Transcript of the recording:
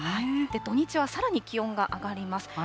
土日はさらに気温が上がります。